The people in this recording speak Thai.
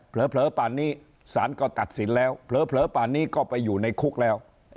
ป่าป่านนี้สารก็ตัดสินแล้วเผลอป่านนี้ก็ไปอยู่ในคุกแล้ว